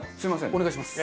お願いします。